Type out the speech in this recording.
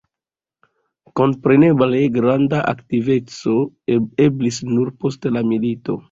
Kompreneble, granda aktiveco eblis nur post la milito.